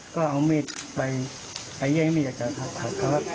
ก็เอามีดไปไปแย่งมีดกันครับ